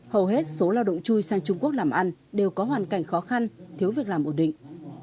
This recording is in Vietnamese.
hầu hết số lao động chui sang trung quốc làm ăn đều có hoàn cảnh khó khăn thiếu việc làm ổn định